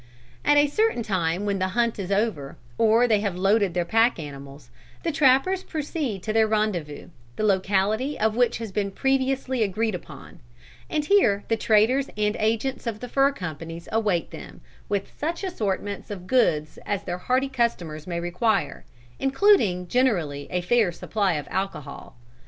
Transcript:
"At a certain time when the hunt is over, or they have loaded their pack animals, the trappers proceed to their rendezvous, the locality of which has been previously agreed upon; and here the traders and agents of the fur companies await them, with such assortments of goods as their hardy customers may require, including generally a fair supply of alcohol.